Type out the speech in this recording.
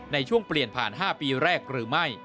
ในช่วงเปลี่ยนผ่าน๕ปีแรกหรือไม่